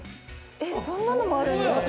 えっそんなのもあるんですか。